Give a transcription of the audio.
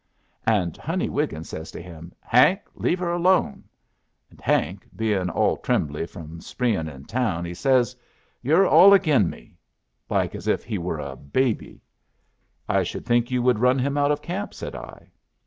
"And Honey Wiggin says to him, 'Hank, leave her alone.' And Hank, bein' all trembly from spreein' in town, he says, 'You're all agin me!' like as if he were a baby." "I should think you would run him out of camp," said I.